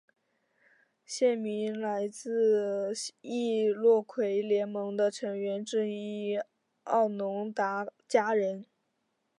县名来自易洛魁联盟的成员之一奥农达加人。